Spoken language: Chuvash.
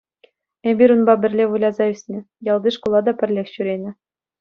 Эпир унпа пӗрле выляса ӳснӗ, ялти шкула та пӗрлех ҫӳренӗ.